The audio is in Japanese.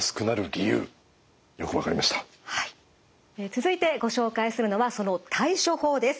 続いてご紹介するのはその対処法です。